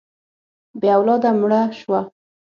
بې اولاده مړه شوه.